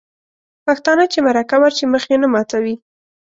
پښتانه چې مرکه ورشي مخ یې نه ماتوي.